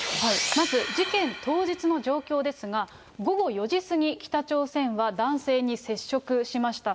まず事件当日の状況ですが、午後４時過ぎ、北朝鮮は男性に接触しました。